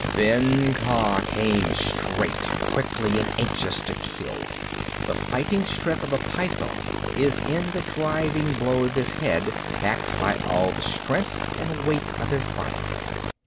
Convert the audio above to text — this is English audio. Then Kaa came straight, quickly, and anxious to kill. The fighting strength of a python is in the driving blow of his head backed by all the strength and weight of his body.